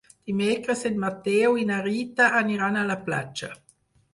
Dimecres en Mateu i na Rita aniran a la platja.